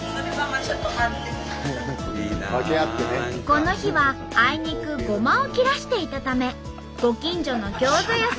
この日はあいにくごまを切らしていたためご近所のギョーザ屋さんから分けてもらいました。